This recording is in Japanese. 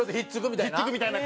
引っ付くみたいな？